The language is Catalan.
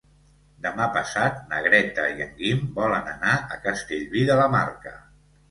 Demà passat na Greta i en Guim volen anar a Castellví de la Marca.